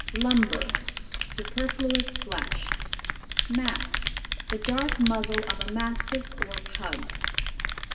Lumber. Superfluous flesh. Mask. The dark muzzle of a Mastiff or Pug.